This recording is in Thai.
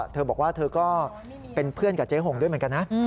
เธอบอกว่าเธอก็เป็นเพื่อนกับเจ๊หงด้วยเหมือนกันนะ